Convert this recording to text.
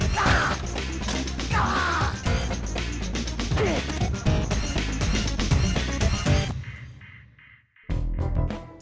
jumlah louk warned